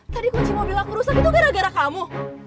tadi kunci mobil aku rusak itu gara gara kamu